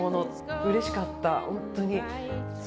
うれしかった本当に。